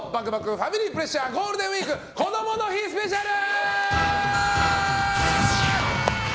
ファミリープレッシャーゴールデンウィークこどもの日スペシャル！